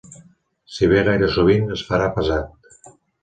Si ve gaire sovint, es farà pesat.